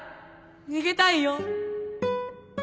逃げたいよ